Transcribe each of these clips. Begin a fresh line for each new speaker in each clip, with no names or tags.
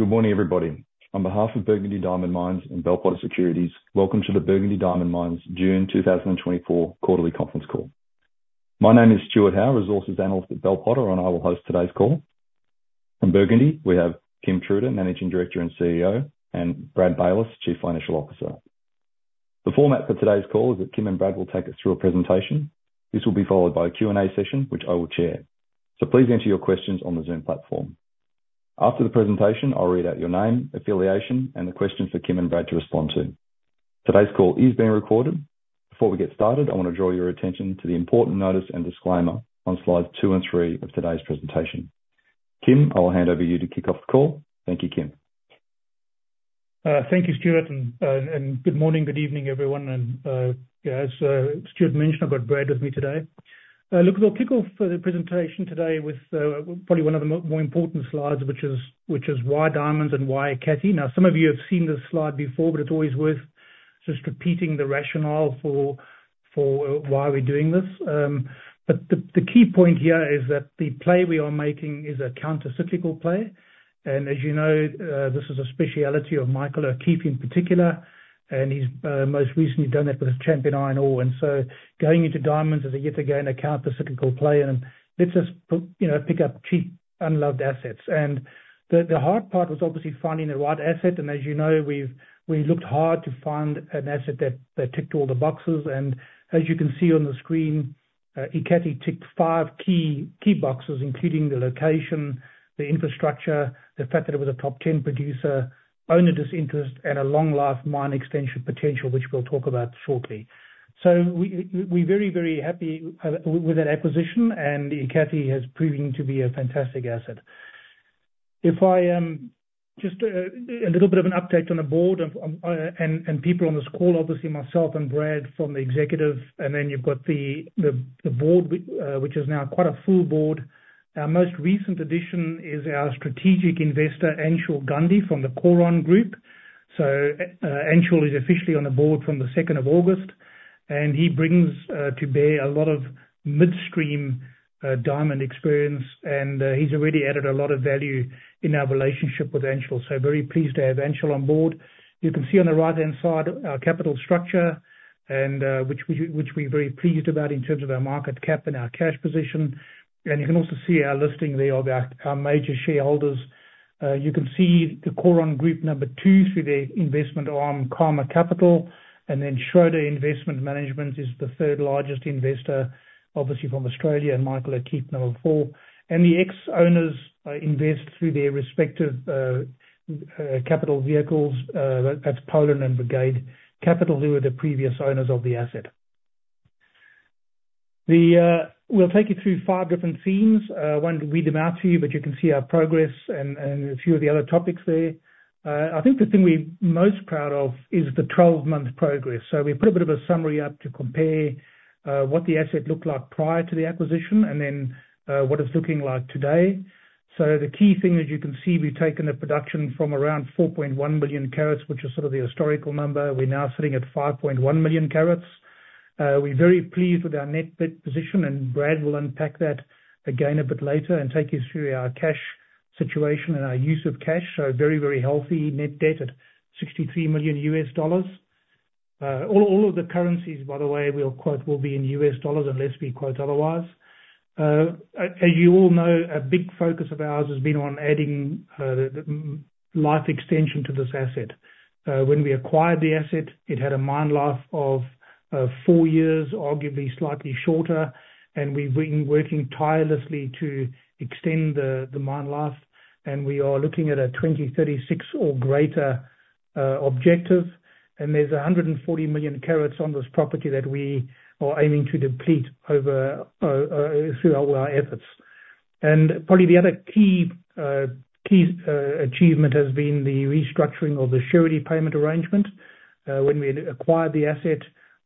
Good morning, everybody. On behalf of Burgundy Diamond Mines and Bell Potter Securities, welcome to the Burgundy Diamond Mines June 2024 Quarterly Conference Call. My name is Stuart Howe, resources analyst at Bell Potter, and I will host today's call. From Burgundy, we have Kim Truter, Managing Director and CEO, and Brad Baylis, Chief Financial Officer. The format for today's call is that Kim and Brad will take us through a presentation. This will be followed by a Q&A session, which I will chair. Please enter your questions on the Zoom platform. After the presentation, I'll read out your name, affiliation, and the questions for Kim and Brad to respond to. Today's call is being recorded. Before we get started, I want to draw your attention to the important notice and disclaimer on slides two and three of today's presentation. Kim, I will hand over to you to kick off the call. Thank you, Kim.
Thank you, Stuart, and good morning, good evening, everyone, and yeah, as Stuart mentioned, I've got Brad with me today. Look, we'll kick off the presentation today with probably one of the more important slides, which is why diamonds and why Ekati? Now, some of you have seen this slide before, but it's always worth just repeating the rationale for why we're doing this. But the key point here is that the play we are making is a countercyclical play. And as you know, this is a specialty of Michael O'Keeffe in particular, and he's most recently done that with his Champion Iron. And so going into diamonds is yet again a countercyclical play, and lets us, you know, pick up cheap, unloved assets. And the hard part was obviously finding the right asset, and as you know, we've looked hard to find an asset that ticked all the boxes. And as you can see on the screen, Ekati ticked 5 key boxes, including the location, the infrastructure, the fact that it was a top 10 producer, owner disinterest, and a long life mine extension potential, which we'll talk about shortly. So we we're very happy with that acquisition, and Ekati has proven to be a fantastic asset. If I just a little bit of an update on the board and people on this call, obviously, myself and Brad from the executive, and then you've got the board, which is now quite a full board. Our most recent addition is our strategic investor, Anshul Gandhi, from the Choron Group. So Anshul is officially on the board from the second of August, and he brings to bear a lot of midstream diamond experience, and he's already added a lot of value in our relationship with Anshul, so very pleased to have Anshul on board. You can see on the right-hand side, our capital structure, and which we're very pleased about in terms of our market cap and our cash position. And you can also see our listing there of our major shareholders. You can see the Choron Group, number two, through their investment arm, Karma Capital, and then Schroder Investment Management is the third largest investor, obviously, from Australia, and Michael O'Keeffe, number four. The ex-owners invest through their respective capital vehicles, that's Brigade Capital, who were the previous owners of the asset. We'll take you through 5 different themes. Won't read them out to you, but you can see our progress and a few of the other topics there. I think the thing we're most proud of is the 12-month progress. So we put a bit of a summary up to compare what the asset looked like prior to the acquisition and then what it's looking like today. So the key thing, as you can see, we've taken production from around 4.1 billion carats, which is sort of the historical number. We're now sitting at 5.1 million carats. We're very pleased with our net debt position, and Brad will unpack that again a bit later and take you through our cash situation and our use of cash. So very, very healthy net debt at $63 million. All, all of the currencies, by the way, we'll quote, will be in US dollars, unless we quote otherwise. As you all know, a big focus of ours has been on adding the life extension to this asset. When we acquired the asset, it had a mine life of four years, arguably slightly shorter, and we've been working tirelessly to extend the mine life, and we are looking at a 2036 or greater objective. And there's 140 million carats on this property that we are aiming to deplete over through our efforts. Probably the other key, key, achievement has been the restructuring of the surety payment arrangement. When we acquired the asset,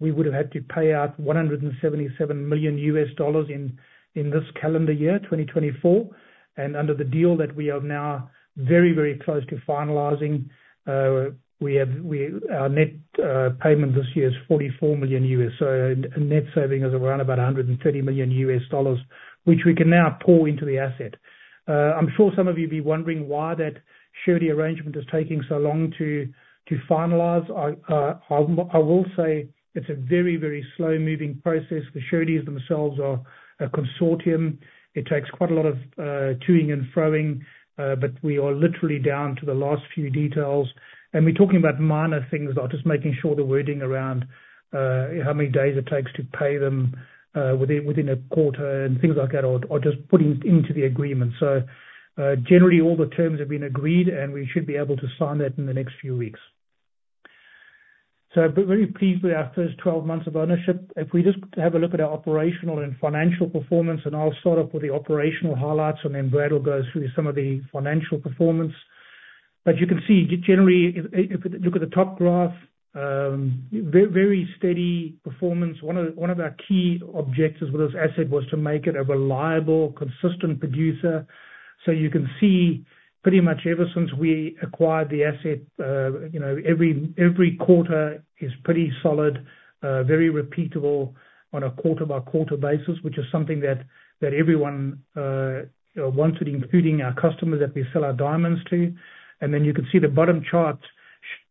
we would have had to pay out $177 million in this calendar year, 2024. Under the deal that we are now very, very close to finalizing, we have- we- our net payment this year is $44 million, so a net saving of around about $130 million, which we can now pour into the asset. I'm sure some of you will be wondering why that surety arrangement is taking so long to finalize. I, I will say it's a very, very slow-moving process. The sureties themselves are a consortium. It takes quite a lot of toing and froing, but we are literally down to the last few details. And we're talking about minor things, about just making sure the wording around how many days it takes to pay them within a quarter, and things like that, are just putting into the agreement. So generally, all the terms have been agreed, and we should be able to sign that in the next few weeks. So I'm very pleased with our first 12 months of ownership. If we just have a look at our operational and financial performance, and I'll start off with the operational highlights, and then Brad will go through some of the financial performance. But you can see, generally, if you look at the top graph, very steady performance. One of our key objectives with this asset was to make it a reliable, consistent producer. So you can see, pretty much ever since we acquired the asset, you know, every quarter is pretty solid, very repeatable on a quarter-by-quarter basis, which is something that everyone wants, including our customers that we sell our diamonds to. And then you can see the bottom chart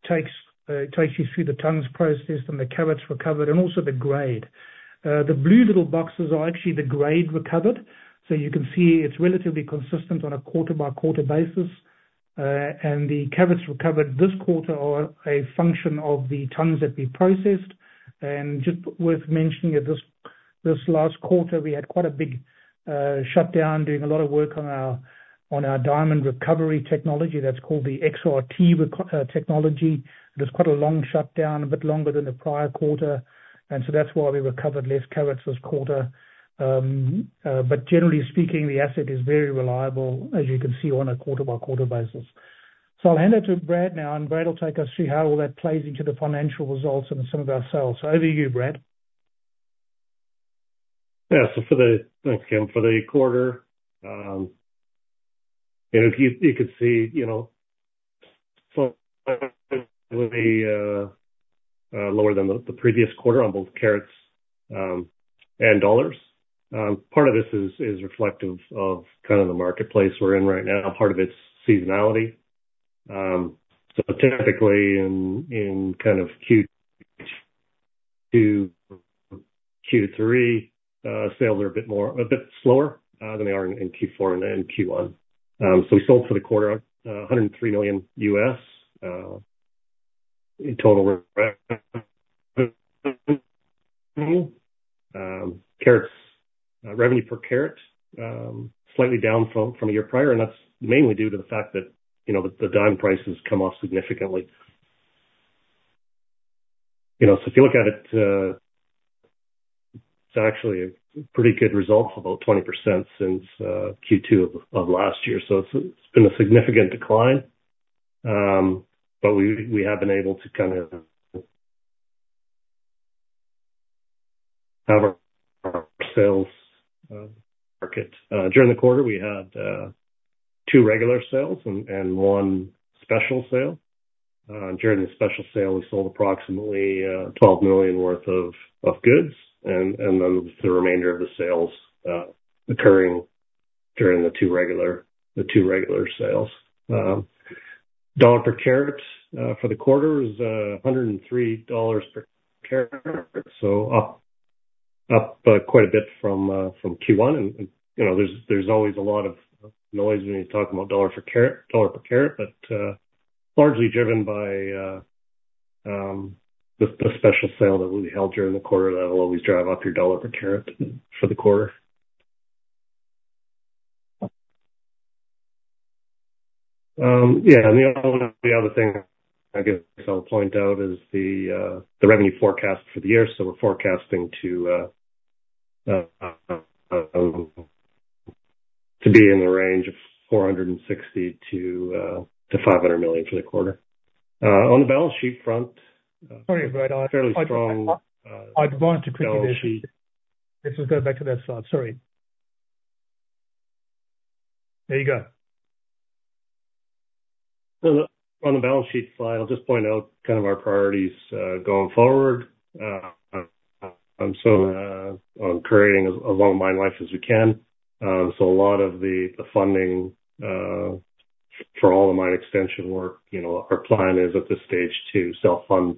takes you through the tons processed and the carats recovered, and also the grade. The blue little boxes are actually the grade recovered, so you can see it's relatively consistent on a quarter by quarter basis. And the carats recovered this quarter are a function of the tons that we processed. Just worth mentioning that this, this last quarter, we had quite a big shutdown, doing a lot of work on our, on our diamond recovery technology, that's called the XRT recovery technology. It was quite a long shutdown, a bit longer than the prior quarter, and so that's why we recovered less carats this quarter. But generally speaking, the asset is very reliable, as you can see on a quarter by quarter basis. So I'll hand it to Brad now, and Brad will take us through how all that plays into the financial results and some of our sales. So over to you, Brad.
Yeah. So for the quarter, thanks, Kim, you know, you could see, you know, so the lower than the previous quarter on both carats and dollars. Part of this is reflective of kind of the marketplace we're in right now, part of it's seasonality. So technically, in kind of Q2, Q3, sales are a bit more... A bit slower than they are in Q4 and Q1. So we sold for the quarter $103 million in total rough carats. Revenue per carat slightly down from a year prior, and that's mainly due to the fact that, you know, the diamond prices come off significantly. You know, so if you look at it, it's actually a pretty good result, about 20% since Q2 of last year. So it's been a significant decline, but we have been able to kind of have our sales market. During the quarter, we had two regular sales and one special sale. During the special sale, we sold approximately $12 million worth of goods, and then the remainder of the sales occurring during the two regular sales. Dollar per carat for the quarter is $103 per carat, so up quite a bit from Q1. You know, there's always a lot of noise when you talk about dollar per carat, but largely driven by the special sale that we held during the quarter, that will always drive up your dollar per carat for the quarter. Yeah, and the other thing I guess I'll point out is the revenue forecast for the year. So we're forecasting to be in the range of $460 million-$500 million for the quarter. On the balance sheet front-
Sorry, Brad, I'd want to quickly- This is going back to that slide. Sorry. There you go.
On the balance sheet slide, I'll just point out kind of our priorities going forward. On creating as long a mine life as we can. So a lot of the funding for all the mine extension work, you know, our plan is at this stage to self-fund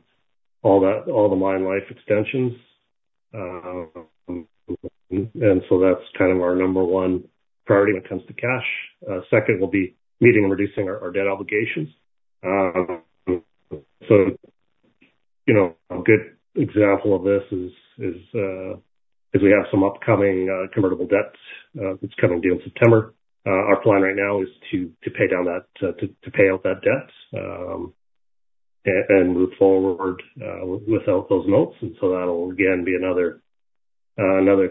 all that, all the mine life extensions. And so that's kind of our number one priority when it comes to cash. Second will be meeting and reducing our debt obligations. So, you know, a good example of this is we have some upcoming convertible debts that's coming due in September. Our plan right now is to pay down that, to pay out that debt, and move forward without those notes. And so that'll again be another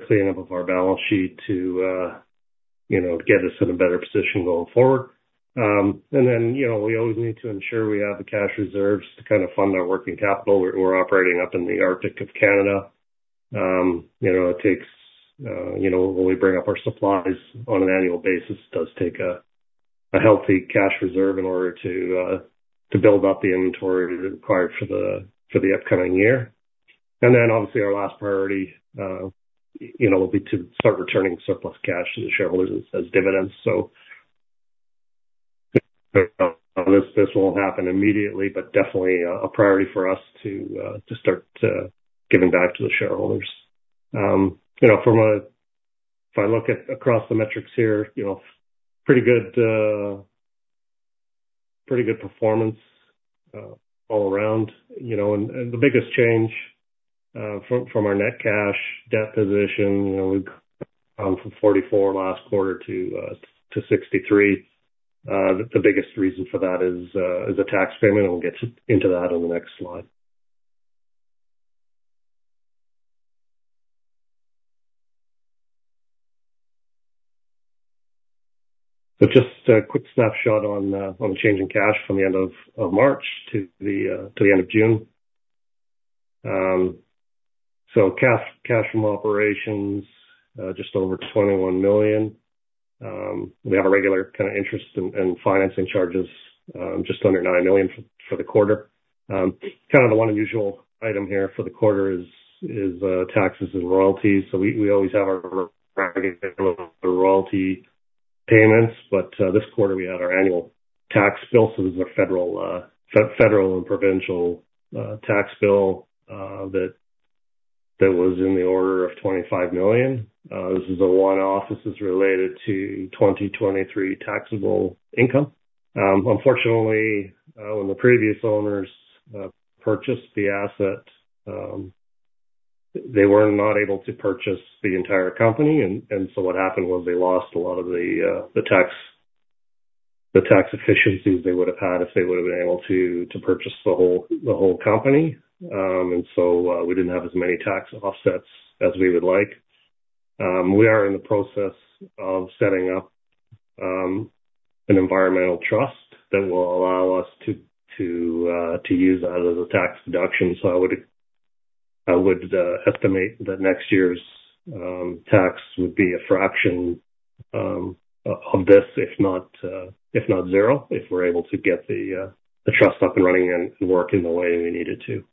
cleanup of our balance sheet to you know get us in a better position going forward. And then you know we always need to ensure we have the cash reserves to kind of fund our working capital. We're operating up in the Arctic of Canada. You know it takes you know when we bring up our supplies on an annual basis it does take a healthy cash reserve in order to to build up the inventory required for the upcoming year. And then obviously our last priority you know will be to start returning surplus cash to the shareholders as dividends. So this won't happen immediately but definitely a priority for us to to start giving back to the shareholders. You know from a... If I look at across the metrics here, you know, pretty good, pretty good performance, all around, you know, and, and the biggest change, from, from our net cash debt position, you know, we've gone from $44 million last quarter to, to $63 million. The biggest reason for that is, is a tax payment, and we'll get into that on the next slide. So just a quick snapshot on, on the change in cash from the end of, of March to the, to the end of June. So cash, cash from operations, just over $21 million. We have a regular kind of interest and, and financing charges, just under $9 million for, for the quarter. Kind of the one unusual item here for the quarter is, is, taxes and royalties. So we, we always have our royalty-payments, but this quarter we had our annual tax bill, so this is a federal and provincial tax bill that was in the order of $25 million. This is the one-off related to 2023 taxable income. Unfortunately, when the previous owners purchased the asset, they were not able to purchase the entire company, and so what happened was they lost a lot of the tax efficiencies they would have had if they would have been able to purchase the whole company. And so, we didn't have as many tax offsets as we would like. We are in the process of setting up an environmental trust that will allow us to use that as a tax deduction, so I would estimate that next year's tax would be a fraction of this, if not zero, if we're able to get the trust up and running and working the way we need it to.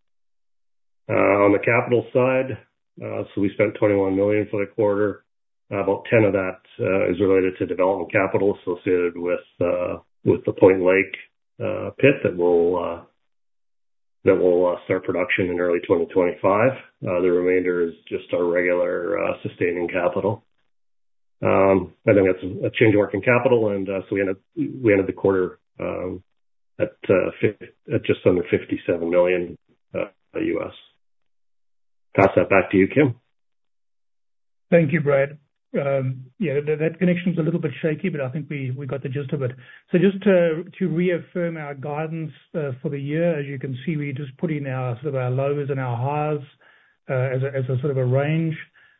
On the capital side, we spent $21 million for the quarter. About 10 of that is related to development capital associated with the Point Lake pit that will start production in early 2025. The remainder is just our regular sustaining capital. And then that's a change in working capital, and so we ended the quarter at just under $57 million. Pass that back to you, Kim.
Thank you, Brad. Yeah, that connection's a little bit shaky, but I think we got the gist of it. So just to reaffirm our guidance for the year, as you can see, we just put in our sort of lows and our highs as a sort of a range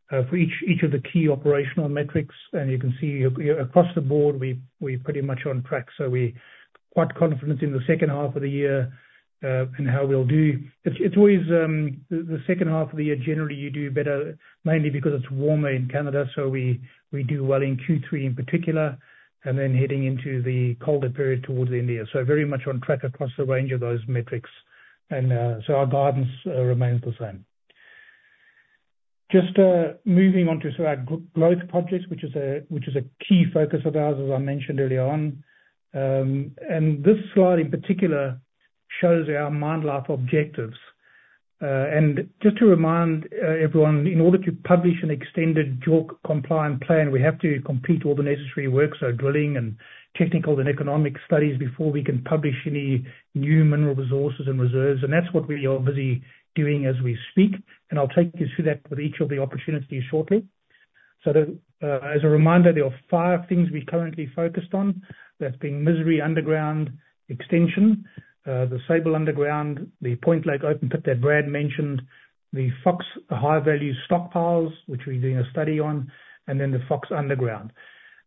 for each of the key operational metrics. And you can see across the board, we're pretty much on track. So we're quite confident in the second half of the year and how we'll do. It's always the second half of the year, generally you do better, mainly because it's warmer in Canada, so we do well in Q3, in particular, and then heading into the colder period towards the end of year. So very much on track across a range of those metrics, and so our guidance remains the same. Just moving on to sort of our growth projects, which is a, which is a key focus of ours, as I mentioned early on. And this slide in particular shows our mine life objectives. And just to remind everyone, in order to publish an extended JORC compliant plan, we have to complete all the necessary work, so drilling and technical and economic studies, before we can publish any new mineral resources and reserves, and that's what we are busy doing as we speak. And I'll take you through that with each of the opportunities shortly. So the, as a reminder, there are five things we currently focused on. That being Misery Underground extension, the Sable Underground, the Point Lake open pit that Brad mentioned, the Fox high-value stockpiles, which we're doing a study on, and then the Fox Underground.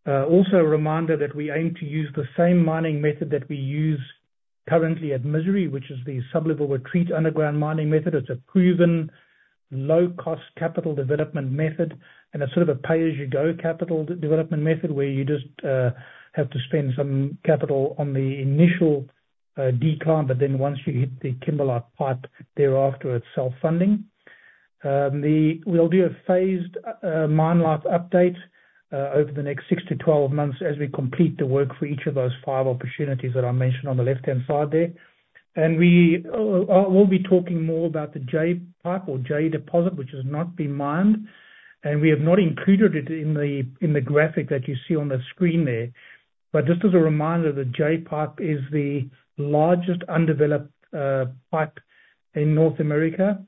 Also a reminder that we aim to use the same mining method that we use currently at Misery, which is the sublevel retreat underground mining method. It's a proven, low-cost capital development method, and a sort of a pay-as-you-go capital development method, where you just have to spend some capital on the initial decline, but then once you hit the kimberlite pipe, thereafter, it's self-funding. We'll do a phased mine life update over the next six to 12 months, as we complete the work for each of those five opportunities that I mentioned on the left-hand side there. We will be talking more about the Jay pipe or Jay deposit, which has not been mined, and we have not included it in the graphic that you see on the screen there. But just as a reminder, the Jay pipe is the largest undeveloped pipe in North America.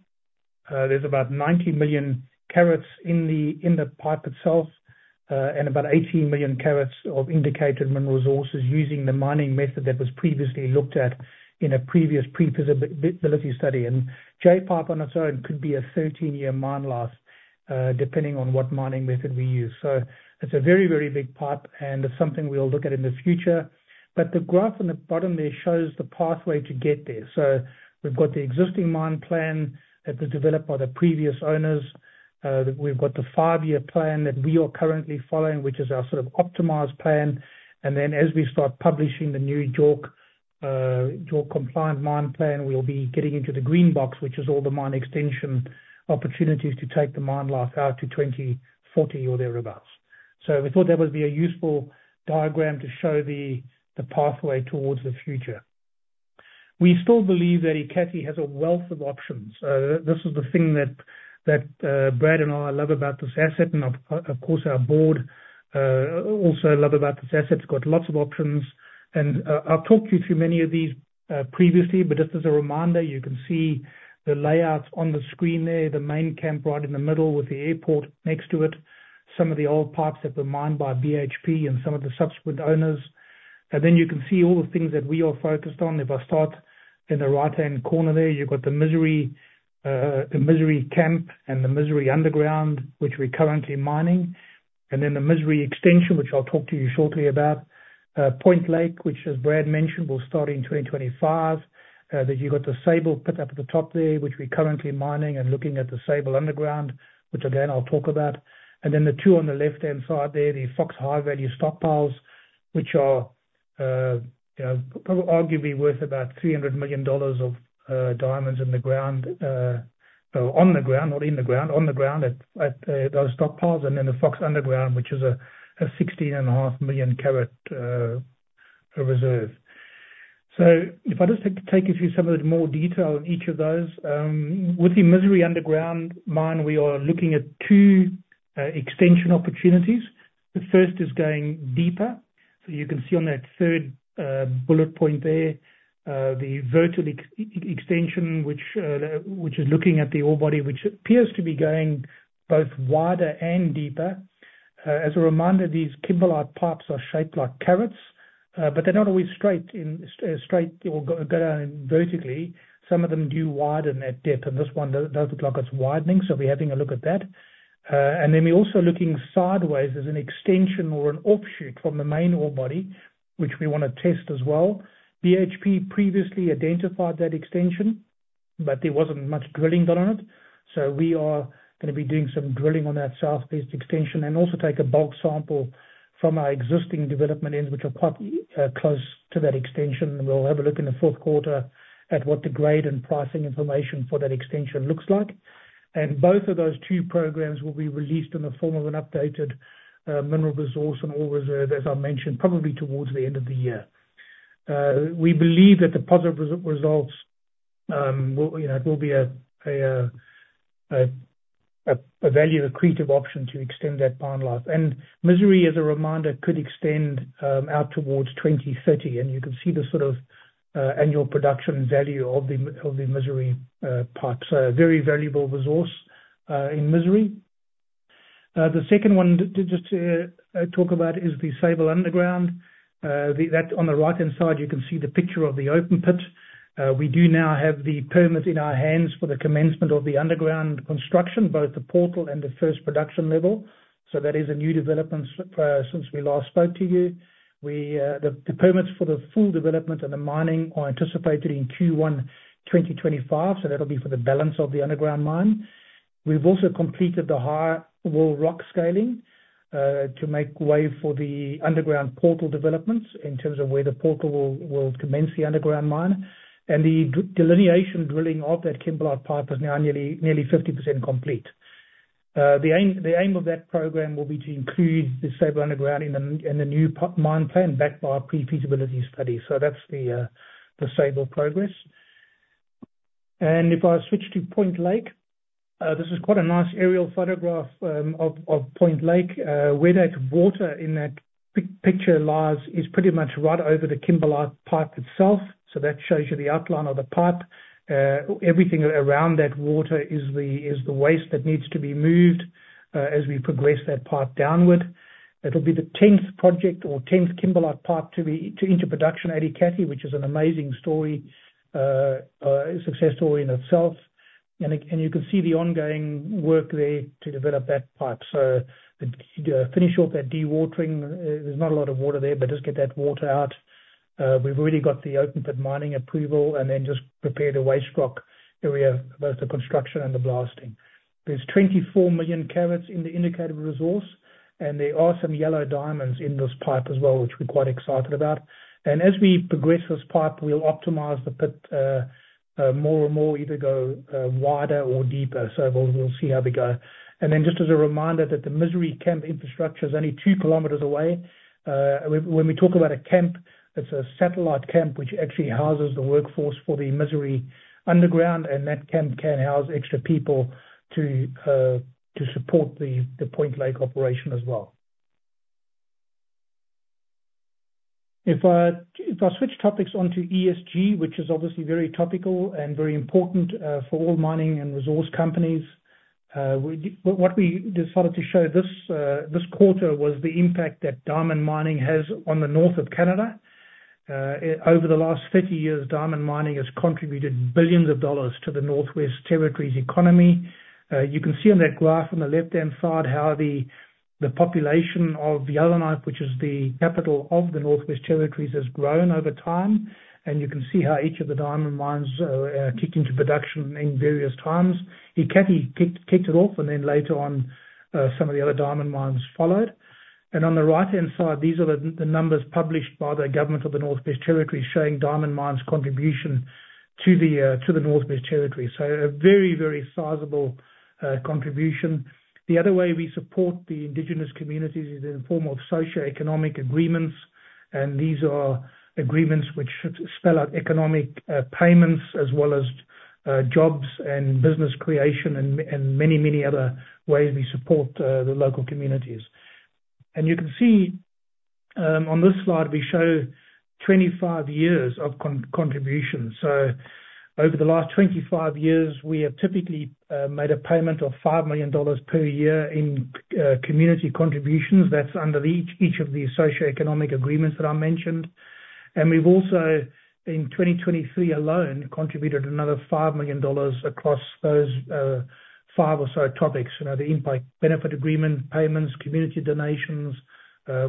There's about 90 million carats in the pipe itself, and about 18 million carats of indicated mineral resources, using the mining method that was previously looked at in a previous pre-feasibility study. And Jay pipe on its own could be a 13-year mine life, depending on what mining method we use. So it's a very, very big pipe, and it's something we'll look at in the future. But the graph on the bottom there shows the pathway to get there. So we've got the existing mine plan that was developed by the previous owners. We've got the five-year plan that we are currently following, which is our sort of optimized plan. And then as we start publishing the new JORC, JORC compliant mine plan, we'll be getting into the green box, which is all the mine extension opportunities to take the mine life out to 2040 or thereabouts. So we thought that would be a useful diagram to show the pathway towards the future. We still believe that Ekati has a wealth of options. This is the thing that Brad and I love about this asset, and of course, our board also love about this asset. It's got lots of options, and I've talked you through many of these previously, but just as a reminder, you can see the layout on the screen there, the main camp right in the middle with the airport next to it, some of the old pipes that were mined by BHP, and some of the subsequent owners. And then you can see all the things that we are focused on. If I start in the right-hand corner there, you've got the Misery, the Misery camp, and the Misery underground, which we're currently mining. And then the Misery extension, which I'll talk to you shortly about. Point Lake, which, as Brad mentioned, will start in 2025. Then you've got the Sable pit up at the top there, which we're currently mining and looking at the Sable underground, which again, I'll talk about. And then the two on the left-hand side there, the Fox high-value stockpiles, which are, you know, probably arguably worth about $300 million of diamonds in the ground, or on the ground, not in the ground, on the ground, at those stockpiles, and then the Fox Underground, which is a 16.5 million carat reserve. So if I just take you through some of the more detail on each of those, with the Misery Underground mine, we are looking at two extension opportunities. The first is going deeper, so you can see on that third bullet point there, the vertical extension, which is looking at the ore body, which appears to be going both wider and deeper. As a reminder, these kimberlite pipes are shaped like carrots, but they're not always straight or go down vertically. Some of them do widen at depth, and this one does look like it's widening, so we're having a look at that. And then we're also looking sideways as an extension or an offshoot from the main ore body, which we wanna test as well. BHP previously identified that extension, but there wasn't much drilling done on it. So we are gonna be doing some drilling on that southeast extension, and also take a bulk sample from our existing development ends, which are quite close to that extension. And we'll have a look in the fourth quarter at what the grade and pricing information for that extension looks like. Both of those two programs will be released in the form of an updated mineral resource and ore reserve, as I mentioned, probably towards the end of the year. We believe that the positive results, you know, will be a value-accretive option to extend that mine life. And Misery, as a reminder, could extend out towards 2030, and you can see the sort of annual production value of the Misery pipe. So a very valuable resource in Misery. The second one to just talk about is the Sable Underground. That on the right-hand side, you can see the picture of the open pit. We do now have the permit in our hands for the commencement of the underground construction, both the portal and the first production level. So that is a new development since we last spoke to you. We, the permits for the full development and the mining are anticipated in Q1 2025, so that'll be for the balance of the underground mine. We've also completed the high wall rock scaling, to make way for the underground portal developments in terms of where the portal will commence the underground mine. And the delineation drilling of that kimberlite pipe is now nearly 50% complete. The aim of that program will be to include the Sable Underground in the new mine plan, backed by a pre-feasibility study. So that's the Sable progress. And if I switch to Point Lake, this is quite a nice aerial photograph of Point Lake. Where that water in that picture lies is pretty much right over the kimberlite pipe itself, so that shows you the outline of the pipe. Everything around that water is the waste that needs to be moved as we progress that pipe downward. It'll be the tenth project or tenth kimberlite pipe to be, to enter production at Ekati, which is an amazing story, success story in itself. And you can see the ongoing work there to develop that pipe. So, finish off that dewatering. There's not a lot of water there, but just get that water out. We've already got the open pit mining approval, and then just prepare the waste rock area, both the construction and the blasting. There's 24 million carats in the indicated resource, and there are some yellow diamonds in this pipe as well, which we're quite excited about. As we progress this pipe, we'll optimize the pit, more and more, either go wider or deeper. So we'll, we'll see how we go. And then just as a reminder, that the Misery Camp infrastructure is only 2 kilometers away. When we talk about a camp, it's a satellite camp which actually houses the workforce for the Misery Underground, and that camp can house extra people to support the Point Lake operation as well. If I switch topics onto ESG, which is obviously very topical and very important for all mining and resource companies, what we decided to show this quarter was the impact that diamond mining has on the north of Canada. Over the last 30 years, diamond mining has contributed billions of dollars to the Northwest Territories' economy. You can see on that graph on the left-hand side how the population of Yellowknife, which is the capital of the Northwest Territories, has grown over time. And you can see how each of the diamond mines kicked into production in various times. Ekati kicked it off, and then later on some of the other diamond mines followed. On the right-hand side, these are the numbers published by the government of the Northwest Territories, showing diamond mine's contribution to the Northwest Territories. So a very, very sizable contribution. The other way we support the indigenous communities is in the form of socioeconomic agreements, and these are agreements which should spell out economic payments as well as jobs and business creation, and many, many other ways we support the local communities. And you can see, on this slide, we show 25 years of contribution. So over the last 25 years, we have typically made a payment of $5 million per year in community contributions. That's under each of the socioeconomic agreements that I mentioned. We've also, in 2023 alone, contributed another $5 million across those five or so topics. You know, the impact benefit agreement, payments, community donations.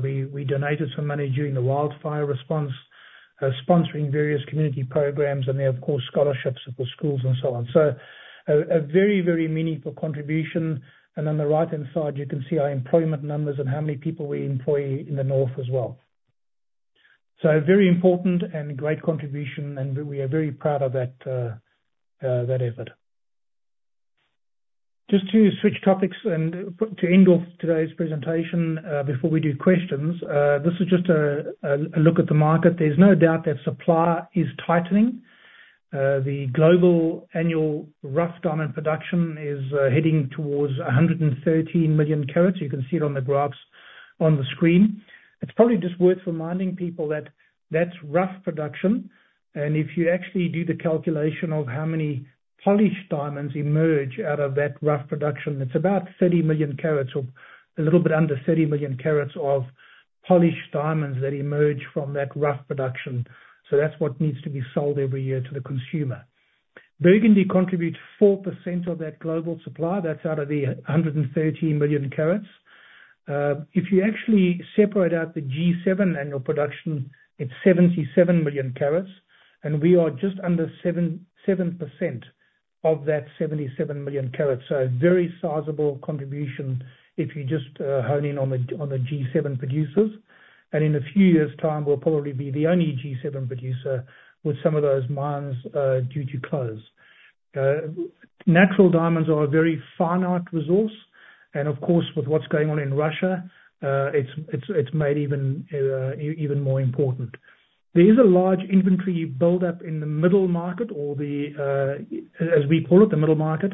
We donated some money during the wildfire response, sponsoring various community programs, and they have, of course, scholarships at the schools and so on. So a very, very meaningful contribution, and on the right-hand side, you can see our employment numbers and how many people we employ in the North as well. So very important and great contribution, and we are very proud of that effort. Just to switch topics and to end off today's presentation, before we do questions, this is just a look at the market. There's no doubt that supply is tightening. The global annual rough diamond production is heading towards 113 million carats. You can see it on the graphs on the screen. It's probably just worth reminding people that that's rough production, and if you actually do the calculation of how many polished diamonds emerge out of that rough production, it's about 30 million carats or a little bit under 30 million carats of polished diamonds that emerge from that rough production. So that's what needs to be sold every year to the consumer. Burgundy contributes 4% of that global supply. That's out of the 113 million carats. If you actually separate out the G7 annual production, it's 77 million carats, and we are just under 7% of that 77 million carats. So a very sizable contribution if you just hone in on the G7 producers. In a few years' time, we'll probably be the only G7 producer with some of those mines due to close. Natural diamonds are a very finite resource, and of course, with what's going on in Russia, it's made even more important. There is a large inventory buildup in the middle market or the, as we call it, the middle market.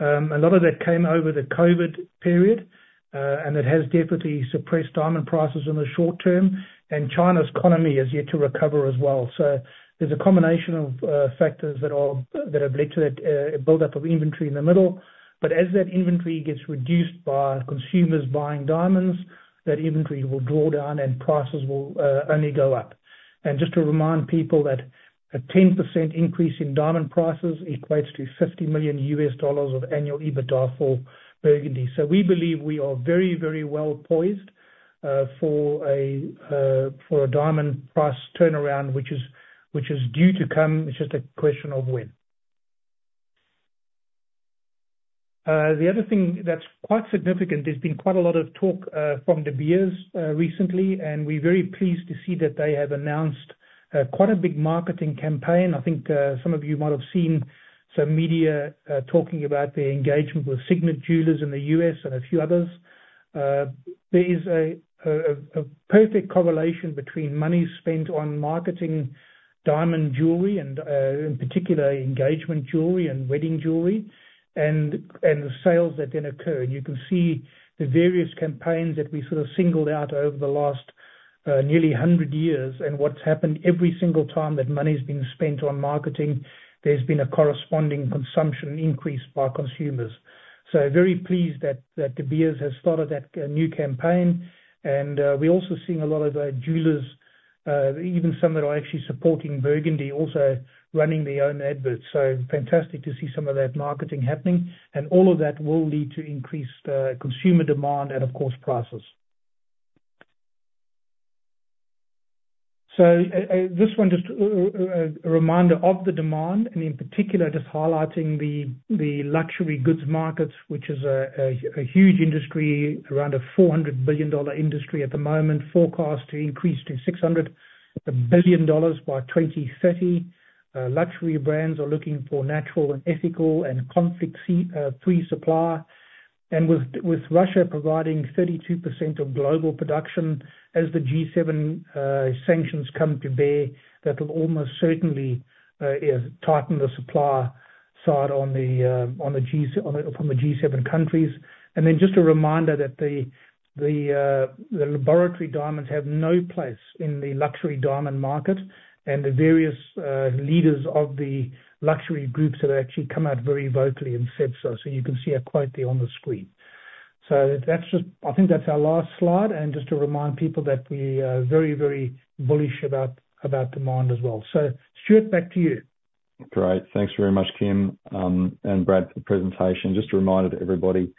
A lot of that came over the COVID period, and it has definitely suppressed diamond prices in the short term, and China's economy is yet to recover as well. So there's a combination of factors that have led to that buildup of inventory in the middle. But as that inventory gets reduced by consumers buying diamonds, that inventory will draw down, and prices will only go up. And just to remind people that a 10% increase in diamond prices equates to $50 million of annual EBITDA for Burgundy. So we believe we are very, very well poised for a for a diamond price turnaround, which is, which is due to come. It's just a question of when. The other thing that's quite significant, there's been quite a lot of talk from De Beers recently, and we're very pleased to see that they have announced quite a big marketing campaign. I think some of you might have seen some media talking about their engagement with Signet Jewelers in the U.S. and a few others. There is a perfect correlation between money spent on marketing diamond jewelry and, in particular, engagement jewelry and wedding jewelry, and the sales that then occur. You can see the various campaigns that we sort of singled out over the last nearly hundred years and what's happened every single time that money's been spent on marketing, there's been a corresponding consumption increase by consumers. So very pleased that that De Beers has started that new campaign, and we're also seeing a lot of our jewelers, even some that are actually supporting Burgundy, also running their own adverts. So fantastic to see some of that marketing happening, and all of that will lead to increased consumer demand and of course, prices. So, this one just a reminder of the demand, and in particular, just highlighting the luxury goods markets, which is a huge industry, around a $400 billion industry at the moment, forecast to increase to $600 billion by 2030. Luxury brands are looking for natural and ethical and conflict-free supply. And with Russia providing 32% of global production, as the G7 sanctions come to bear, that will almost certainly tighten the supply side from the G7 countries. And then just a reminder that the laboratory diamonds have no place in the luxury diamond market, and the various leaders of the luxury groups have actually come out very vocally and said so. So you can see a quote there on the screen. So that's just... I think that's our last slide, and just to remind people that we are very, very bullish about, about demand as well. So Stuart, back to you.
Great. Thanks very much, Kim, and Brad, for the presentation. Just a reminder to everybody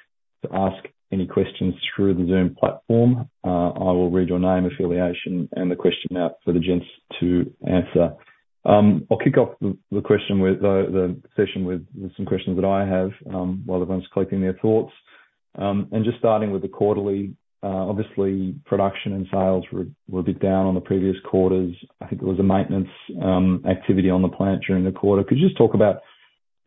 to ask any questions through the Zoom platform. I will read your name, affiliation, and the question out for the gents to answer. I'll kick off the session with some questions that I have, while everyone's collecting their thoughts. Just starting with the quarterly, obviously, production and sales were a bit down on the previous quarters. I think there was a maintenance activity on the plant during the quarter. Could you just talk about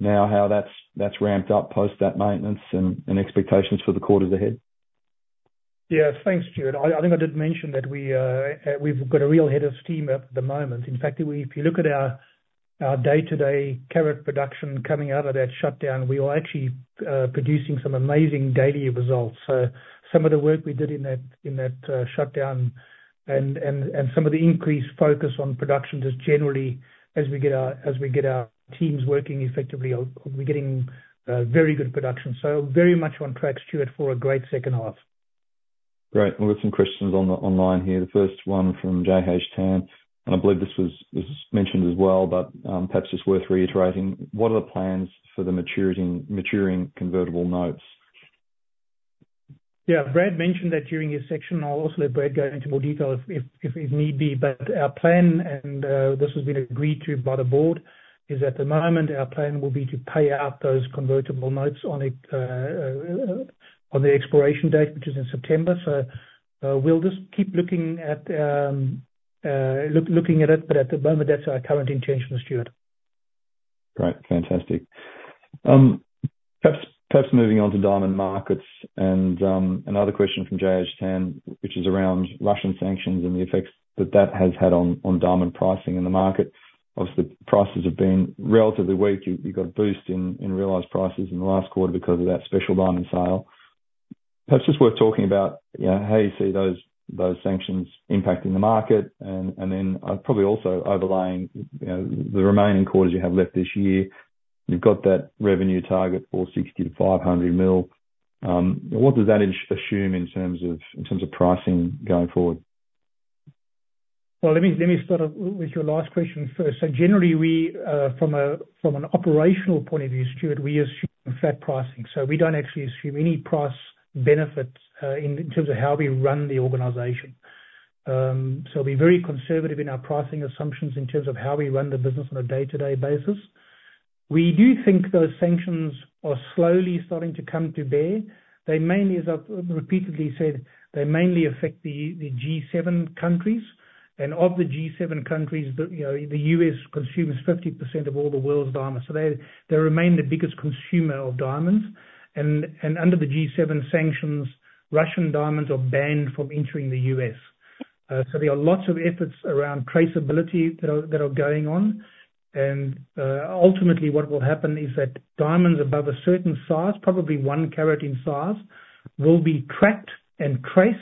now how that's ramped up post that maintenance and expectations for the quarters ahead?
Yes. Thanks, Stuart. I, I think I did mention that we, we've got a real head of steam at the moment. In fact, if you look at our, our day-to-day carat production coming out of that shutdown, we are actually producing some amazing daily results. So some of the work we did in that, in that, shutdown and, and some of the increased focus on production just generally as we get our teams working effectively, we're getting very good production. So very much on track, Stuart, for a great second half.
Great. We've got some questions on the online here. The first one from J.H. Tan, and I believe this was mentioned as well, but perhaps it's worth reiterating: What are the plans for the maturing convertible notes?
Yeah, Brad mentioned that during his section. I'll also let Brad go into more detail if need be. But our plan, and this has been agreed to by the board, is at the moment, our plan will be to pay out those convertible notes on the expiration date, which is in September. So, we'll just keep looking at it, but at the moment, that's our current intention, Stuart.
Great. Fantastic. Perhaps, perhaps moving on to diamond markets, and, another question from J.H. Tan, which is around Russian sanctions and the effects that that has had on, on diamond pricing in the market. Obviously, prices have been relatively weak. You, you got a boost in, in realized prices in the last quarter because of that special diamond sale. Perhaps just worth talking about, you know, how you see those, those sanctions impacting the market, and, and then, probably also overlaying, you know, the remaining quarters you have left this year. You've got that revenue target for $60 million-$500 million. What does that assume in terms of, in terms of pricing going forward?
Well, let me start off with your last question first. So generally, from an operational point of view, Stuart, we assume fair pricing. So we don't actually assume any price benefits in terms of how we run the organization. So we're very conservative in our pricing assumptions in terms of how we run the business on a day-to-day basis. We do think those sanctions are slowly starting to come to bear. They mainly, as I've repeatedly said, they mainly affect the G7 countries, and of the G7 countries, you know, the U.S. consumes 50% of all the world's diamonds. So they remain the biggest consumer of diamonds, and under the G7 sanctions, Russian diamonds are banned from entering the U.S. So there are lots of efforts around traceability that are going on, and ultimately, what will happen is that diamonds above a certain size, probably one carat in size, will be tracked and traced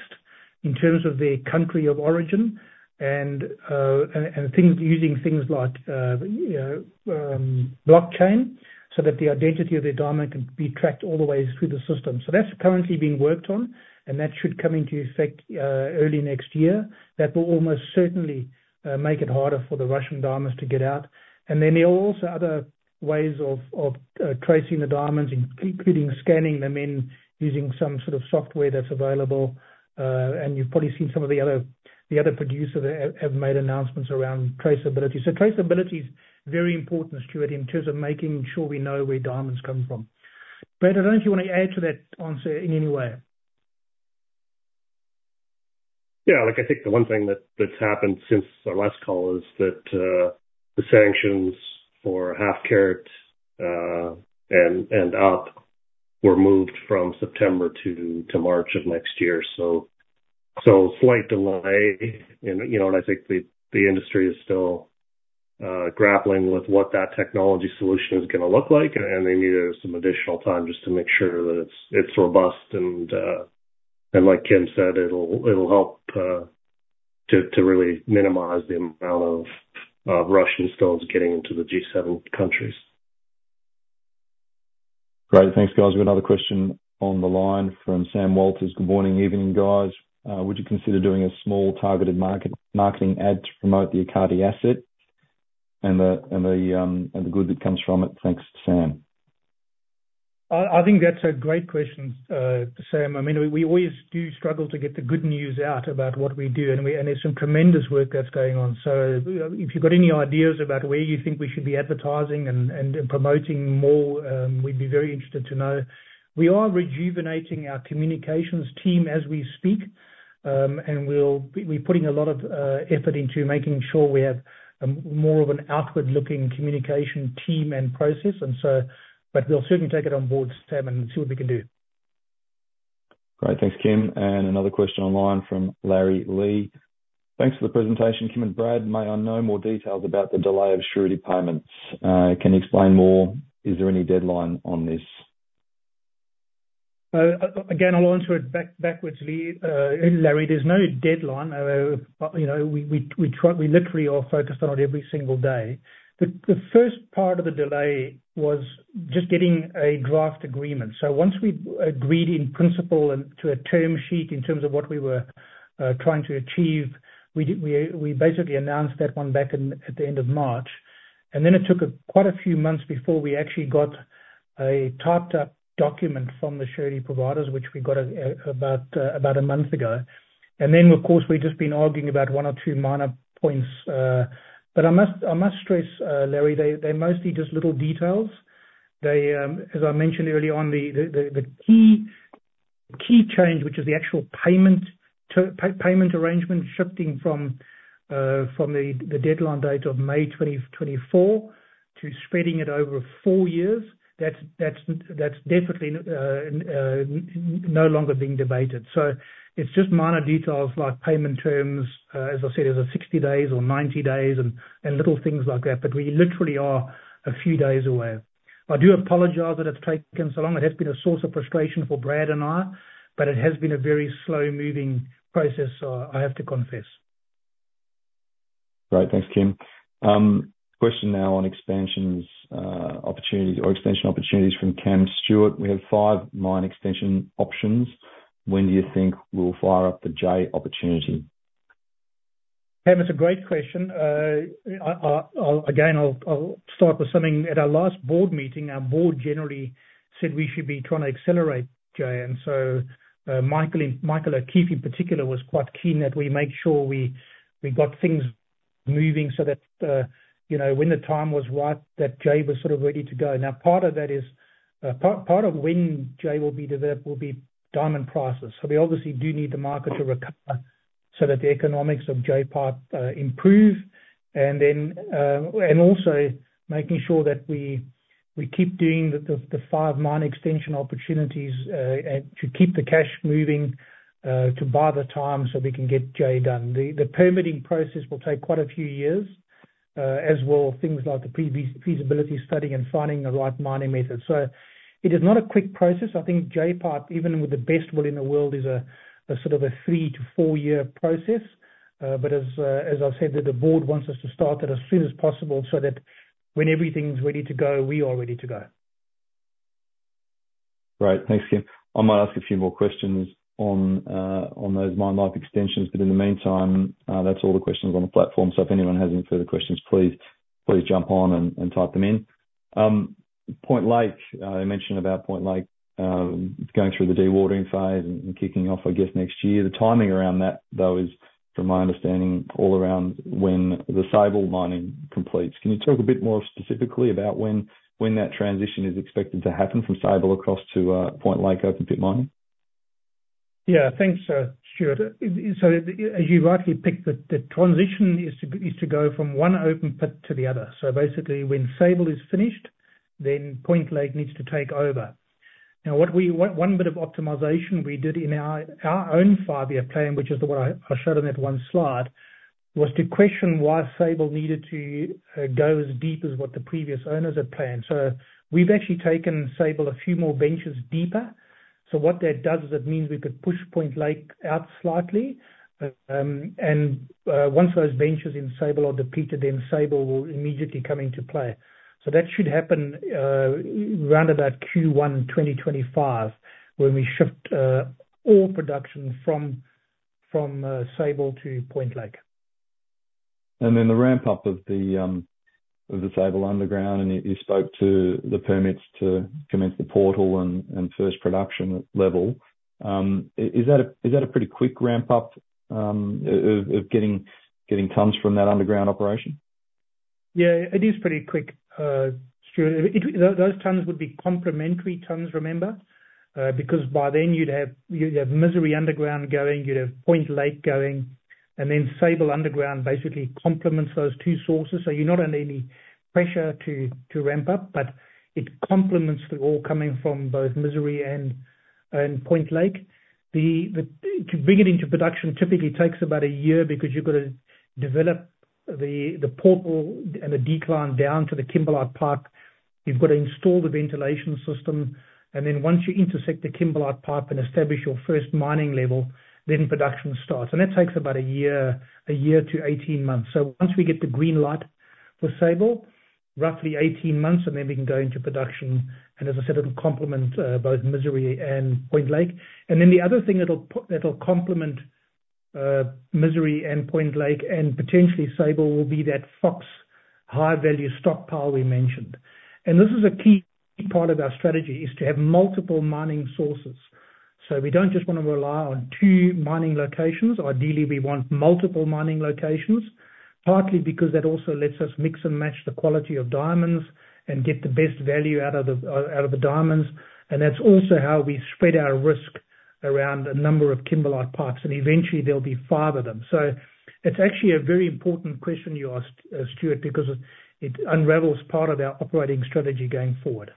in terms of their country of origin, and things using things like, you know, blockchain, so that the identity of the diamond can be tracked all the way through the system. So that's currently being worked on, and that should come into effect early next year. That will almost certainly make it harder for the Russian diamonds to get out. And then there are also other ways of tracing the diamonds, including scanning them in using some sort of software that's available, and you've probably seen some of the other producers that have made announcements around traceability. So traceability is very important, Stuart, in terms of making sure we know where diamonds come from. Brad, I don't know if you want to add to that answer in any way?
Yeah, like, I think the one thing that that's happened since our last call is that the sanctions for half carats and up were moved from September to March of next year, so slight delay, and you know and I think the industry is still grappling with what that technology solution is gonna look like, and they needed some additional time just to make sure that it's robust. And like Kim said, it'll help to really minimize the amount of Russian stones getting into the G7 countries.
Great. Thanks, guys. We've another question on the line from Sam Walters. Good morning, evening, guys. Would you consider doing a small, targeted market, marketing ad to promote the Ekati asset and the, and the, and the good that comes from it? Thanks, Sam.
I think that's a great question, Sam. I mean, we always do struggle to get the good news out about what we do, and there's some tremendous work that's going on. So if you've got any ideas about where you think we should be advertising and promoting more, we'd be very interested to know. We are rejuvenating our communications team as we speak, and we'll we're putting a lot of effort into making sure we have more of an outward-looking communication team and process, and so, but we'll certainly take it on board, Sam, and see what we can do.
Great. Thanks, Kim. And another question online from Larry Lee: Thanks for the presentation, Kim and Brad. May I know more details about the delay of surety payments? Can you explain more? Is there any deadline on this?
Again, I'll answer it backwards, Larry Lee. There's no deadline. But, you know, we literally are focused on it every single day. The first part of the delay was just getting a draft agreement. So once we agreed in principle and to a term sheet in terms of what we were trying to achieve, we basically announced that one back in at the end of March, and then it took quite a few months before we actually got a typed up document from the surety providers, which we got about a month ago. And then, of course, we've just been arguing about one or two minor points, but I must stress, Larry Lee, they're mostly just little details. As I mentioned early on, the key change, which is the actual payment arrangement, shifting from the deadline date of May 2024 to spreading it over four years, that's definitely no longer being debated. So it's just minor details like payment terms, as I said, is it 60 days or 90 days, and little things like that, but we literally are a few days away. I do apologize that it's taken so long. It has been a source of frustration for Brad and I, but it has been a very slow-moving process, so I have to confess.
Great, thanks, Kim. Question now on expansions, opportunities or expansion opportunities from Cam Stuart: We have five mine extension options. When do you think we'll fire up the J opportunity?
Cam, it's a great question. I'll, again, I'll start with something. At our last board meeting, our board generally said we should be trying to accelerate Jay. And so, Michael O'Keeffe in particular, was quite keen that we make sure we got things moving so that, you know, when the time was right, that Jay was sort of ready to go. Now, part of that is, part of when Jay will be developed will be diamond prices. So we obviously do need the market to recover so that the economics of Jay pipe improve, and then, and also making sure that we keep doing the five mine extension opportunities, and to keep the cash moving, to buy the time so we can get Jay done. The permitting process will take quite a few years, as will things like the pre-feasibility study and finding the right mining method. So it is not a quick process. I think Jay pipe, even with the best will in the world, is a sort of a three- to four-year process. But as I've said, that the board wants us to start it as soon as possible so that when everything's ready to go, we are ready to go.
Great. Thanks, Kim. I might ask a few more questions on those mine life extensions, but in the meantime, that's all the questions on the platform. So if anyone has any further questions, please, please jump on and type them in. Point Lake, you mentioned about Point Lake going through the dewatering phase and kicking off, I guess, next year. The timing around that, though, is, from my understanding, all around when the Sable mining completes. Can you talk a bit more specifically about when that transition is expected to happen from Sable across to Point Lake open pit mining?
Yeah, thanks, Stuart. So as you rightly picked, the transition is to go from one open pit to the other. So basically, when Sable is finished, then Point Lake needs to take over. Now, what we want - one bit of optimization we did in our own five-year plan, which is the one I showed on that one slide, was to question why Sable needed to go as deep as what the previous owners had planned. So we've actually taken Sable a few more benches deeper. So what that does is it means we could push Point Lake out slightly. And once those benches in Sable are depleted, then Sable will immediately come into play. So that should happen round about Q1 2025, when we shift all production from Sable to Point Lake.
Then the ramp up of the Sable Underground, and you spoke to the permits to commence the portal and first production level. Is that a pretty quick ramp up of getting tons from that underground operation?
Yeah, it is pretty quick, Stuart. Those tons would be complementary tons, remember? Because by then you'd have Misery Underground going, you'd have Point Lake going, and then Sable Underground basically complements those two sources. So you're not under any pressure to ramp up, but it complements the ore coming from both Misery and Point Lake. To bring it into production typically takes about a year, because you've got to develop the portal and the decline down to the kimberlite pipe. You've got to install the ventilation system, and then once you intersect the kimberlite pipe and establish your first mining level, then production starts. And that takes about a year, a year to 18 months. So once we get the green light for Sable, roughly 18 months, and then we can go into production. And as I said, it'll complement both Misery and Point Lake. And then the other thing that'll complement Misery and Point Lake, and potentially Sable, will be that Fox high-value stockpile we mentioned. And this is a key part of our strategy, is to have multiple mining sources. So we don't just wanna rely on two mining locations. Ideally, we want multiple mining locations, partly because that also lets us mix and match the quality of diamonds and get the best value out of the out of the diamonds. And that's also how we spread our risk around a number of kimberlite pipes, and eventually there'll be five of them. So it's actually a very important question you asked, Stuart, because it, it unravels part of our operating strategy going forward.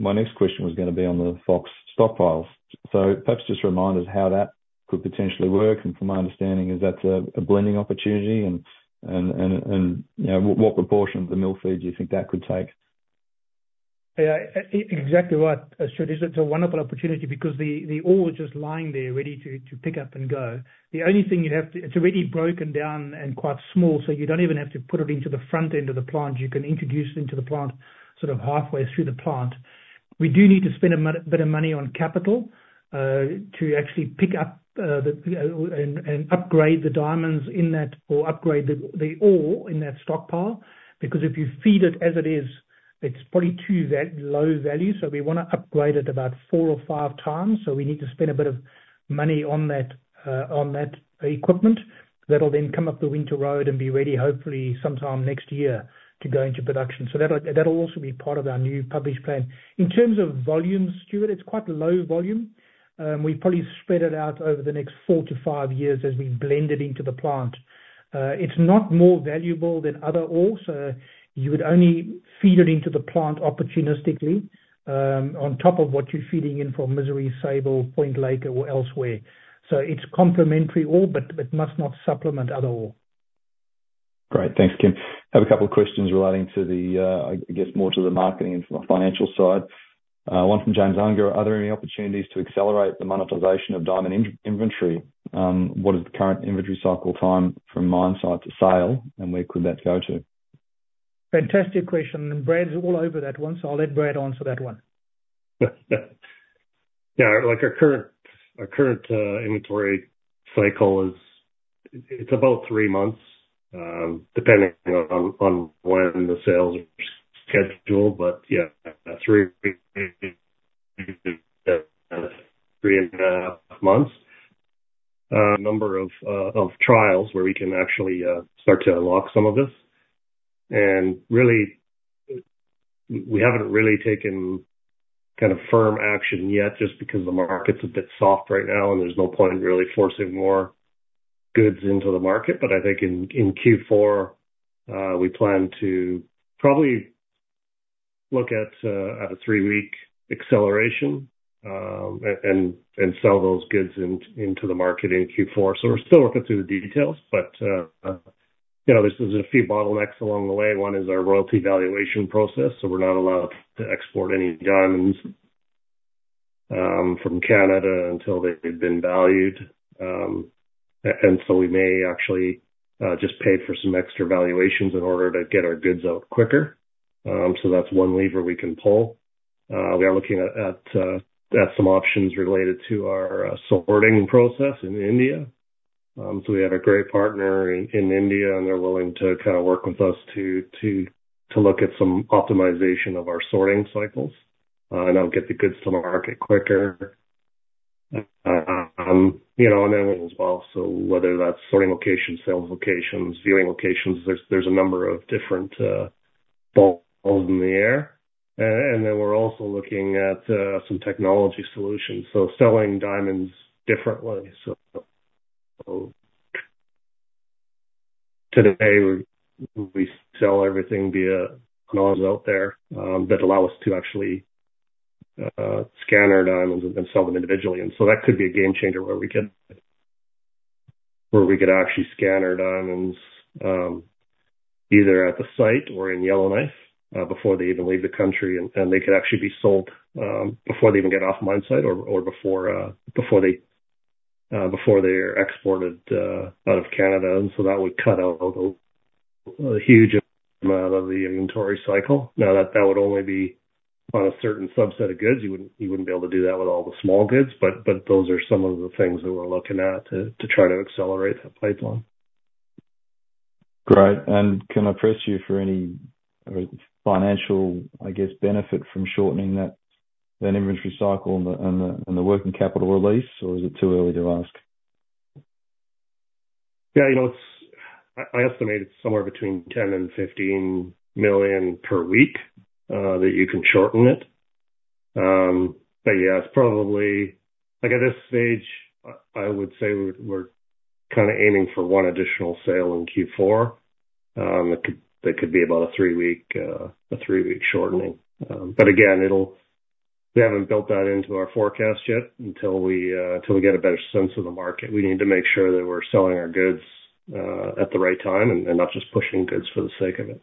My next question was gonna be on the Fox stockpiles. So perhaps just remind us how that could potentially work, and from my understanding, is that a blending opportunity? And you know, what proportion of the mill feed do you think that could take?
Yeah, exactly right, Stuart. It's a wonderful opportunity because the ore is just lying there ready to pick up and go. The only thing you'd have to. It's already broken down and quite small, so you don't even have to put it into the front end of the plant. You can introduce it into the plant, sort of halfway through the plant. We do need to spend a bit of money on capital to actually pick up and upgrade the diamonds in that, or upgrade the ore in that stockpile. Because if you feed it as it is, it's probably too low value, so we wanna upgrade it about four or five times. So we need to spend a bit of money on that equipment. That'll then come up the winter road and be ready, hopefully sometime next year, to go into production. So that'll, that'll also be part of our new published plan. In terms of volume, Stuart, it's quite low volume. We probably spread it out over the next four to five years as we blend it into the plant. It's not more valuable than other ores, so you would only feed it into the plant opportunistically, on top of what you're feeding in from Misery, Sable, Point Lake, or elsewhere. So it's complementary ore, but it must not supplement other ore.
Great. Thanks, Kim. I have a couple of questions relating to the, I guess, more to the marketing and to the financial side. One from James Unger: Are there any opportunities to accelerate the monetization of diamond inventory? What is the current inventory cycle time from mine site to sale, and where could that go to?
Fantastic question, and Brad's all over that one, so I'll let Brad answer that one.
Yeah, like our current inventory cycle is, it's about three months, depending, you know, on when the sales are scheduled. But yeah, three, three and a half months. Number of trials where we can actually start to unlock some of this. And really, we haven't really taken kind of firm action yet, just because the market's a bit soft right now, and there's no point in really forcing more goods into the market. But I think in Q4, we plan to probably look at a three-week acceleration, and sell those goods into the market in Q4. So we're still working through the details, but, you know, there's a few bottlenecks along the way. One is our royalty valuation process, so we're not allowed to export any diamonds from Canada until they've been valued. And so we may actually just pay for some extra valuations in order to get our goods out quicker. So that's one lever we can pull. We are looking at some options related to our sorting process in India. So we have a great partner in India, and they're willing to kind of work with us to look at some optimization of our sorting cycles, and that'll get the goods to the market quicker. You know, and then as well, so whether that's sorting locations, sales locations, viewing locations, there's a number of different balls in the air. And then we're also looking at some technology solutions, so selling diamonds differently. So today, we sell everything via tenders out there that allow us to actually scan our diamonds and sell them individually. And so that could be a game changer, where we could actually scan our diamonds either at the site or in Yellowknife before they even leave the country, and they could actually be sold before they even get off mine site or before they are exported out of Canada. And so that would cut out a huge amount of the inventory cycle. Now, that would only be on a certain subset of goods. You wouldn't be able to do that with all the small goods, but those are some of the things that we're looking at to try to accelerate the pipeline.
Great. Can I press you for any financial, I guess, benefit from shortening that inventory cycle and the working capital release, or is it too early to ask?
Yeah, you know, it's, I estimate it's somewhere between $10 million and $15 million per week that you can shorten it. But yeah, it's probably like, at this stage, I would say we're kind of aiming for one additional sale in Q4. It could, that could be about a 3-week shortening. But again, it'll, we haven't built that into our forecast yet, until we get a better sense of the market. We need to make sure that we're selling our goods at the right time and not just pushing goods for the sake of it.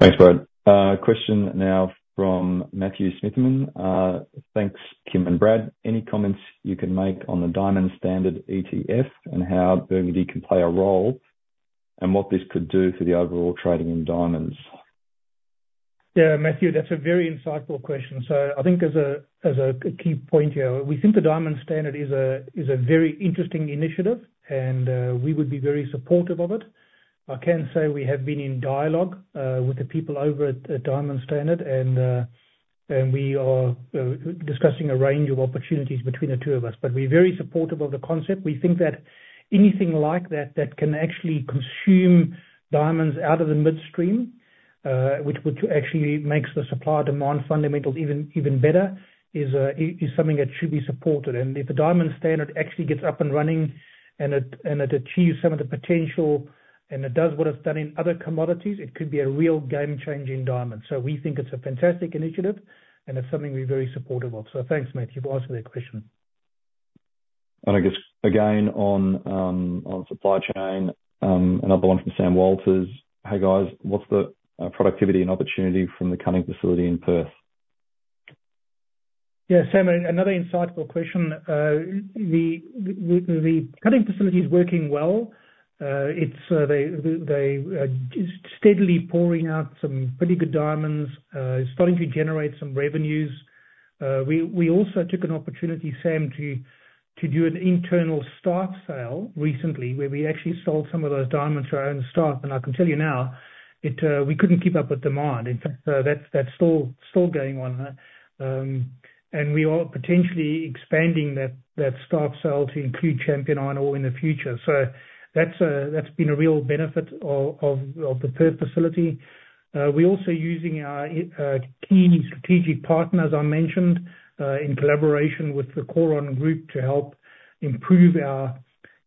Thanks, Brad. Question now from Matthew Smithman. "Thanks, Kim and Brad. Any comments you can make on the Diamond Standard ETF, and how Burgundy can play a role, and what this could do for the overall trading in diamonds?
Yeah, Matthew, that's a very insightful question. So I think as a key point here, we think the Diamond Standard is a very interesting initiative, and we would be very supportive of it. I can say we have been in dialogue with the people over at Diamond Standard, and we are discussing a range of opportunities between the two of us. But we're very supportive of the concept. We think that anything like that, that can actually consume diamonds out of the midstream, which would actually makes the supply-demand fundamentals even better, is something that should be supported. And if the Diamond Standard actually gets up and running, and it, and it achieves some of the potential, and it does what it's done in other commodities, it could be a real game changer in diamonds. So we think it's a fantastic initiative, and it's something we're very supportive of. So thanks, Matthew, for asking that question.
I guess again, on supply chain, another one from Sam Walters: "Hey, guys, what's the productivity and opportunity from the cutting facility in Perth?
Yeah, Sam, another insightful question. The cutting facility is working well. They are steadily pouring out some pretty good diamonds, starting to generate some revenues. We also took an opportunity, Sam, to do an internal staff sale recently, where we actually sold some of those diamonds to our own staff, and I can tell you now, we couldn't keep up with demand. In fact, that's still going on. And we are potentially expanding that staff sale to include Champion Iron in the future. So that's been a real benefit of the Perth facility. We're also using our key strategic partner, as I mentioned, in collaboration with the Choron Group, to help improve our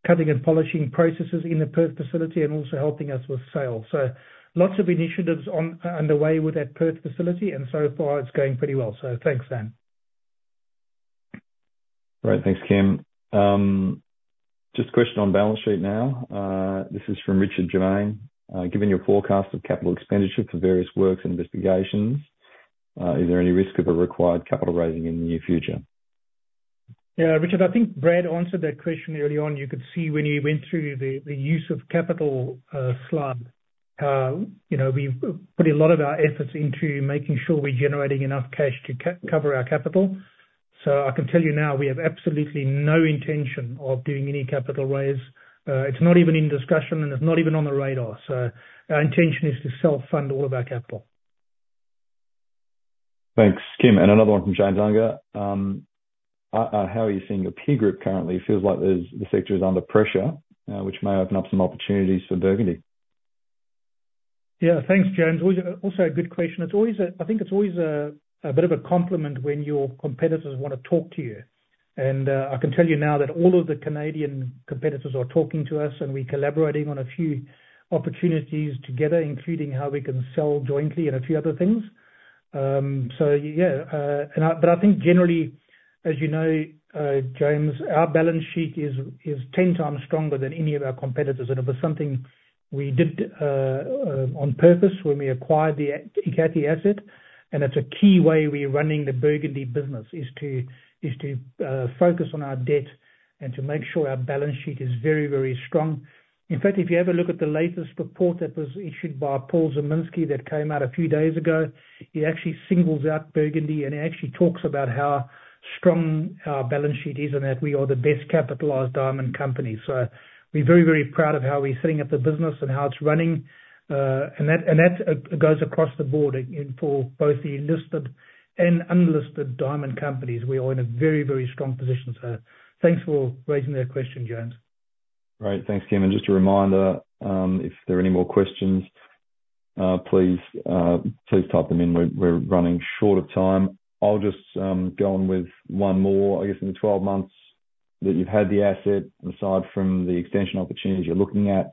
cutting and polishing processes in the Perth facility, and also helping us with sales. So lots of initiatives on underway with that Perth facility, and so far it's going pretty well. So thanks, Sam.
Great. Thanks, Kim. Just a question on balance sheet now. This is from Richard Germaine. "Given your forecast of capital expenditure for various works and investigations, is there any risk of a required capital raising in the near future?
Yeah, Richard, I think Brad answered that question early on. You could see when he went through the use of capital slide. You know, we've put a lot of our efforts into making sure we're generating enough cash to cover our capital. So I can tell you now, we have absolutely no intention of doing any capital raise. It's not even in discussion, and it's not even on the radar. So our intention is to self-fund all of our capital.
Thanks, Kim. And another one from James Unger. How are you seeing the peer group currently? It feels like the sector is under pressure, which may open up some opportunities for Burgundy.
Yeah, thanks, James. Also a good question. It's always a bit of a compliment when your competitors wanna talk to you. And I can tell you now that all of the Canadian competitors are talking to us, and we're collaborating on a few opportunities together, including how we can sell jointly and a few other things. So yeah, but I think generally, as you know, James, our balance sheet is 10 times stronger than any of our competitors, and it was something we did on purpose when we acquired the Ekati asset. And it's a key way we're running the Burgundy business, is to focus on our debt and to make sure our balance sheet is very, very strong. In fact, if you have a look at the latest report that was issued by Paul Zimnisky, that came out a few days ago, he actually singles out Burgundy and actually talks about how strong our balance sheet is and that we are the best-capitalized diamond company. So we're very, very proud of how we're setting up the business and how it's running. And that goes across the board, in for both the listed and unlisted diamond companies. We are in a very, very strong position. So thanks for raising that question, James.
Great. Thanks, Kim. And just a reminder, if there are any more questions, please, please type them in. We're running short of time. I'll just go on with one more. I guess, in the 12 months that you've had the asset, aside from the extension opportunities you're looking at,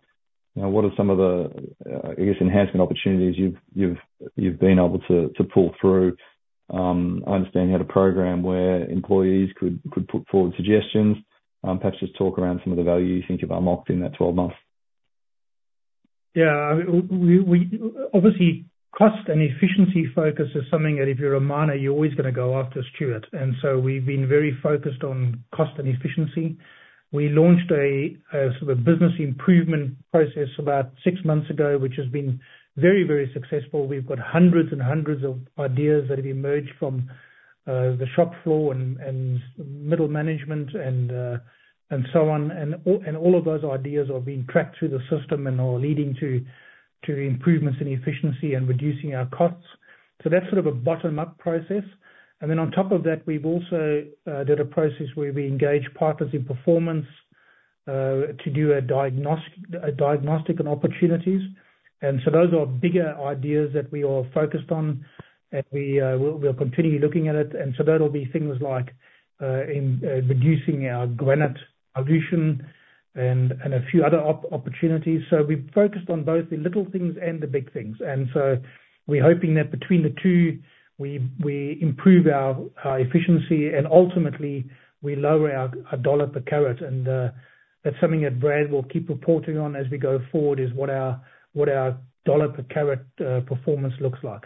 you know, what are some of the, I guess, enhancement opportunities you've been able to pull through? I understand you had a program where employees could put forward suggestions. Perhaps just talk around some of the value you think you've unlocked in that 12 months.
Yeah, we obviously, cost and efficiency focus is something that if you're a miner, you're always gonna go after, Stewart. And so we've been very focused on cost and efficiency. We launched a sort of business improvement process about six months ago, which has been very, very successful. We've got hundreds and hundreds of ideas that have emerged from the shop floor and middle management and so on. And all of those ideas are being tracked through the system and are leading to improvements in efficiency and reducing our costs. So that's sort of a bottom-up process. And then on top of that, we've also did a process where we engage Partners in Performance to do a diagnostic on opportunities. Those are bigger ideas that we are focused on, and we're continually looking at it. That'll be things like reducing our granite attrition and a few other opportunities. We've focused on both the little things and the big things. We're hoping that between the two, we improve our efficiency, and ultimately, we lower our dollar per carat. That's something that Brad will keep reporting on as we go forward, is what our dollar per carat performance looks like.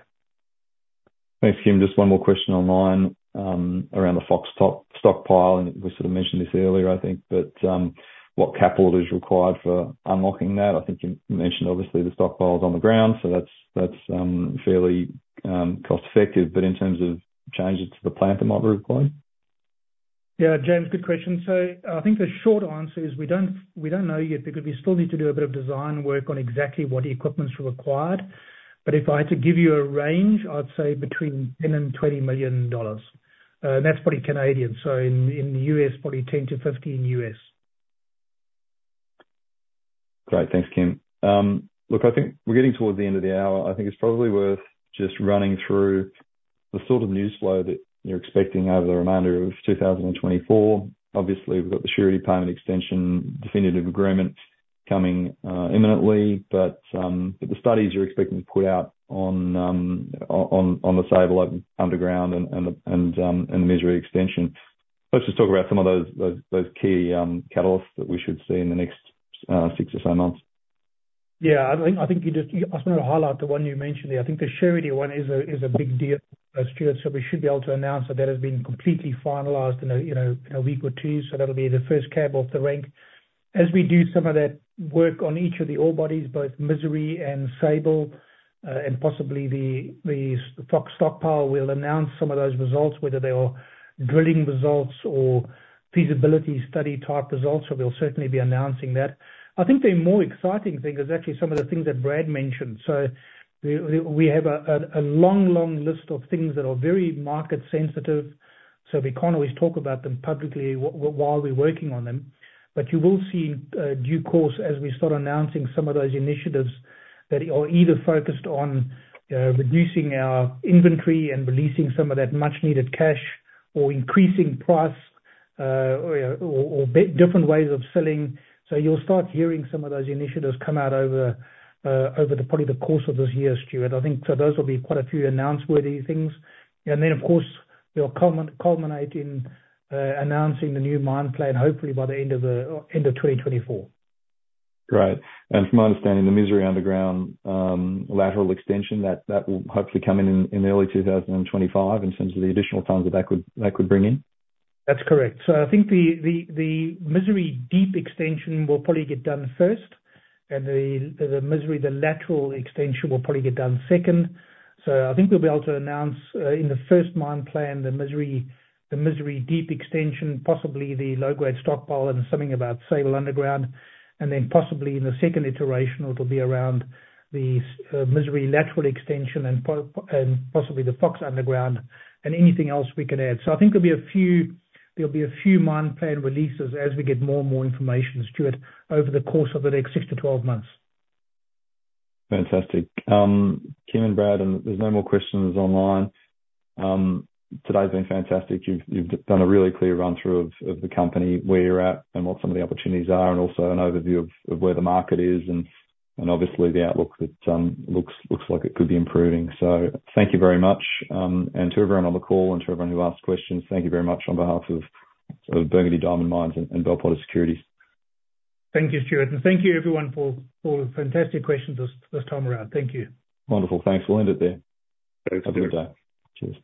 Thanks, Kim. Just one more question online around the Fox high-value stockpile, and we sort of mentioned this earlier, I think, but what capital is required for unlocking that? I think you mentioned obviously the stockpile is on the ground, so that's fairly cost-effective, but in terms of changes to the plant that might be required.
Yeah, James, good question. So I think the short answer is we don't, we don't know yet, because we still need to do a bit of design work on exactly what equipment is required. But if I had to give you a range, I'd say between 10 million and 20 million dollars. And that's pretty Canadian, so in the US, probably $10 million-$15 million.
Great. Thanks, Kim. Look, I think we're getting towards the end of the hour. I think it's probably worth just running through the sort of newsflow that you're expecting over the remainder of 2024. Obviously, we've got the surety payment extension, definitive agreement coming imminently, but the studies you're expecting to put out on the Sable Underground and Misery extension. Let's just talk about some of those key catalysts that we should see in the next six or so months.
Yeah, I think, I think you just... I'll highlight the one you mentioned there. I think the surety one is a, is a big deal, Stewart, so we should be able to announce that has been completely finalized in a, you know, in a week or two. So that'll be the first cab off the rank. As we do some of that work on each of the ore bodies, both Misery and Sable, and possibly the Fox stockpile, we'll announce some of those results, whether they are drilling results or feasibility study type results, so we'll certainly be announcing that. I think the more exciting thing is actually some of the things that Brad mentioned. So we have a long list of things that are very market sensitive, so we can't always talk about them publicly while we're working on them. But you will see, due course as we start announcing some of those initiatives that are either focused on, reducing our inventory and releasing some of that much-needed cash, or increasing price, or different ways of selling. So you'll start hearing some of those initiatives come out over, over the probably the course of this year, Stuart. I think... So those will be quite a few announce-worthy things. And then, of course, we'll culminate in, announcing the new mine plan, hopefully by the end of the, end of 2024.
Great. And from my understanding, the Misery Underground lateral extension, that will hopefully come in in early 2025 in terms of the additional tons that could bring in?
That's correct. So I think the Misery deep extension will probably get done first, and the Misery, the lateral extension, will probably get done second. So I think we'll be able to announce in the first mine plan, the Misery, the Misery deep extension, possibly the low-grade stockpile and something about Sable Underground, and then possibly in the second iteration, it'll be around the Misery lateral extension and possibly the Fox Underground and anything else we can add. So I think there'll be a few, there'll be a few mine plan releases as we get more and more information, Stewart, over the course of the next six to 12 months.
Fantastic. Kim and Brad, and there's no more questions online. Today's been fantastic. You've, you've done a really clear run-through of the company, where you're at, and what some of the opportunities are, and also an overview of where the market is, and obviously the outlook that looks, looks like it could be improving. So thank you very much, and to everyone on the call and to everyone who asked questions, thank you very much on behalf of Burgundy Diamond Mines and Bell Potter Securities.
Thank you, Stuart, and thank you, everyone, for the fantastic questions this time around. Thank you.
Wonderful. Thanks. We'll end it there. Have a good day. Cheers